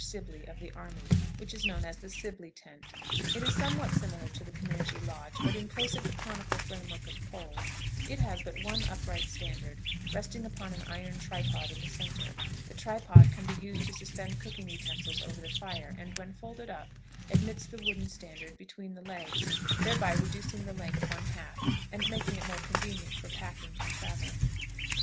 Sibley, of the army, which is known as the "Sibley tent." It is somewhat similar to the Comanche lodge, but in place of the conical frame work of poles it has but one upright standard, resting upon an iron tripod in the centre. The tripod can be used to suspend cooking utensils over the fire, and, when folded up, admits the wooden standard between the legs, thereby reducing the length one half, and making it more convenient for packing and traveling.